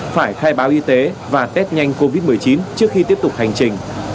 phải khai báo y tế và test nhanh covid một mươi chín trước khi tiếp tục hành trình